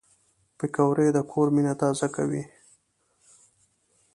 پکورې د کور مینه تازه کوي